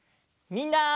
みんな！